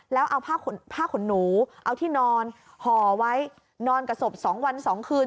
แล้วเอาผ้าขนหนูเอาที่นอนห่อไว้นอนกับศพ๒วัน๒คืน